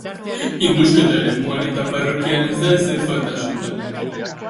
Indusketa eremuan eta parrokian ez da ezer faltan sumatu.